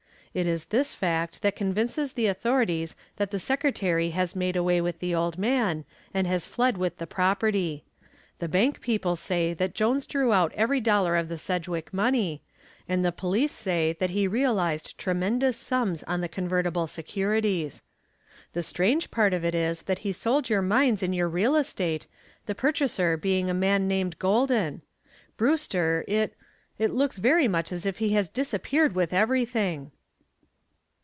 It is this fact that convinces the authorities that the secretary has made away with the old man and has fled with the property. The bank people say that Jones drew out every dollar of the Sedgwick money, and the police say that he realized tremendous sums on the convertible securities. The strange part of it is that he sold your mines and your real estate, the purchaser being a man named Golden. Brewster, it it looks very much as if he had disappeared with everything."